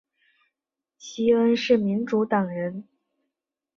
西恩是民主党人。